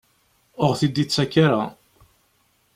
Ur aɣ-t-id-yettak ara?